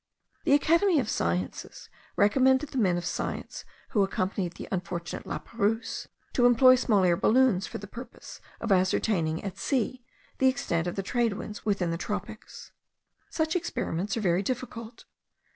The Academy of Sciences recommended the men of science who accompanied the unfortunate La Perouse, to employ small air balloons for the purpose of ascertaining at sea the extent of the trade winds within the tropics. Such experiments are very difficult.